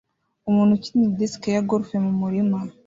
Umuntu ukina disiki ya golf mumurima